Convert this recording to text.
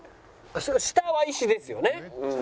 それ下は石ですよね？